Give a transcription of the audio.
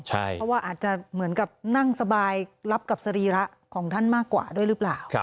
เพราะว่าอาจจะเหมือนกับนั่งสบายรับกับสรีระของท่านมากกว่าด้วยหรือเปล่า